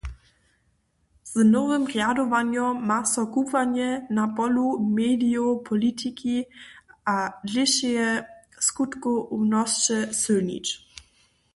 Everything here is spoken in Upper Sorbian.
Z nowym rjadowanjom ma so kubłanje na polu medijow, politiki a dlěšeje skutkownosće sylnić.